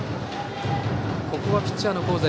ここはピッチャーの香西